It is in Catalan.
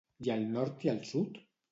I el nord i el sud?